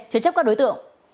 trên chấp các đối tượng